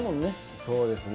そうですね。